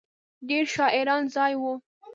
ډېر شاعرانه ځای و.